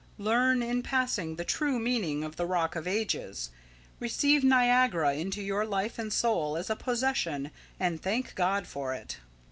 Learn, in passing, the true meaning of the Rock of Ages. Receive Niagara into your life and soul as a possession, and thank God for it."